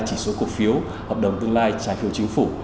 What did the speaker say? chỉ số cổ phiếu hợp đồng tương lai trái phiếu chính phủ